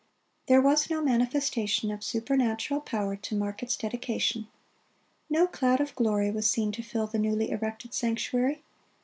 There was no manifestation of supernatural power to mark its dedication. No cloud of glory was seen to fill the newly erected sanctuary.